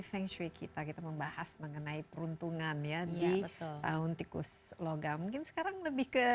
feng shui kita kita membahas mengenai peruntungan ya di tahun tikus logam mungkin sekarang lebih ke